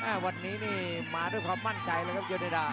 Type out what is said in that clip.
เอ่อวันนี้นี่มาด้วยความมั่นใจเลยครับยนต์เนดา